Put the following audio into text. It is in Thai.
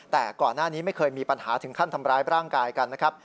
แต่ก่อนหน้านี้ไม่เคยมีปัญหาถึงขั้นทำร้ายร่างกายกันนะครับ